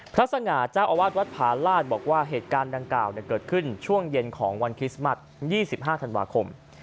สง่าเจ้าอาวาสวัดผาลาศบอกว่าเหตุการณ์ดังกล่าวเกิดขึ้นช่วงเย็นของวันคริสต์มัส๒๕ธันวาคม